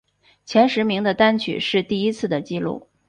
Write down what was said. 前十名的单曲是第一次的记录。